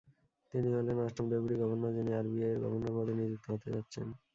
তিনি হলেন অষ্টম ডেপুটি গভর্নর, যিনি আরবিআইয়ের গভর্নর পদে নিযুক্ত হতে যাচ্ছেন।